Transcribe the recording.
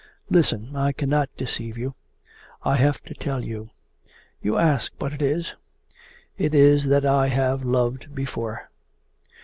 'Listen! I cannot deceive you. I have to tell you. You ask what it is? It is that I have loved before.